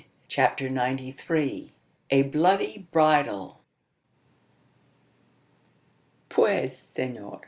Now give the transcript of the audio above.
CHAPTER NINETY THREE. A BLOODY BRIDAL. "Puez senor!